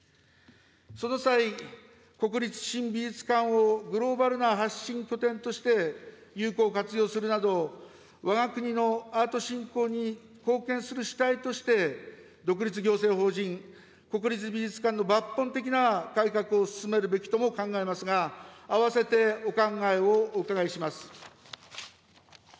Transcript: その際、国立新美術館をグローバルな発信拠点として有効活用するなど、わが国のアート振興に貢献する主体として、独立行政法人国立美術館の抜本的な改革を進めるべきとも考えますが、併せてお考えをお伺いします。